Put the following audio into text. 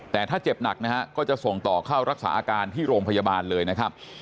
แต่ถ้าเจ็บหนักนะฮะก็จะส่งต่อเข้ารักษาอาการที่โรงพยาบาลเลยนะครับ